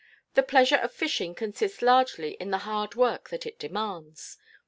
The pleasure of fishing consists largely in the hard work that it demands.